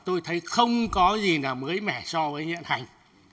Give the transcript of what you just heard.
tôi thấy không có gì là mới mẻ so với hiện hành